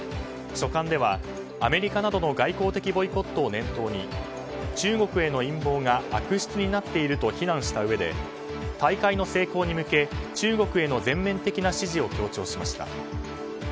書簡では、アメリカなどの外交的ボイコットを念頭に中国への陰謀が悪質になっていると非難したうえで大会の成功に向け中国への全面的な支持を強調しました。